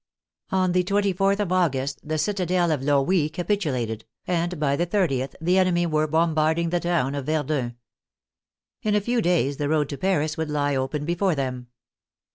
On the 24th of August, the cita del of Longwy capitulated, and by the 30th the enemy were bombarding the town of Verdun. In a few days the road to Paris would lie open before them.